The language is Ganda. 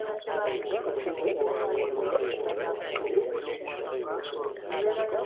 Ssebo olowooza omuntu oneeyisa nga nsolo?